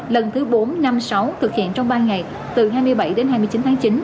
lần thứ bốn năm sáu thực hiện trong ba ngày từ hai mươi bảy đến hai mươi chín tháng chín